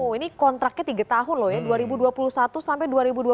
ini kontraknya tiga tahun loh ya dua ribu dua puluh satu sampai dua ribu dua puluh satu